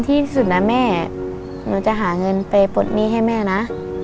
ที่สุดนะแม่จะหาเงินไปปลดแม่นะ